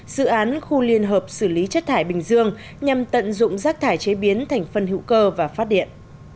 dự án khu liên hợp xử lý chất thải bình dương nhằm tận dụng rác thải chế biến thành phân hữu cơ và phát điện